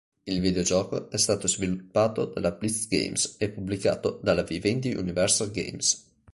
Il videogioco è stato sviluppato dalla Blitz Games e pubblicato dalla Vivendi Universal Games.